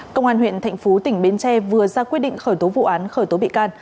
công an huyện thạnh phú tỉnh bến tre vừa ra quyết định khởi tố vụ án khởi tố bị can